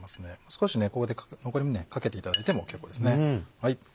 少しここで残りもかけていただいても結構ですね。